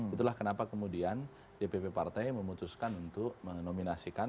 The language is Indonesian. itulah kenapa kemudian dpp partai memutuskan untuk menominasikan